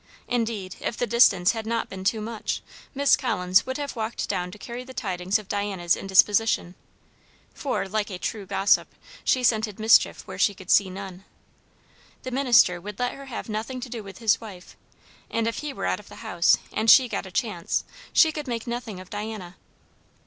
Indeed, if the distance had not been too much, Miss Collins would have walked down to carry the tidings of Diana's indisposition; for, like a true gossip, she scented mischief where she could see none. The minister would let her have nothing to do with his wife; and if he were out of the house and she got a chance, she could make nothing of Diana.